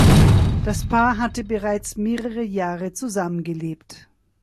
Das Paar hatte bereits mehrere Jahre zusammengelebt.